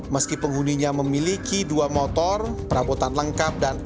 meski penghuninya memiliki dua motor perabotan lengkap dan